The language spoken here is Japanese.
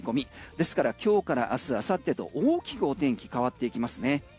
ですから今日から明日あさってと大きくお天気変わっていきますね。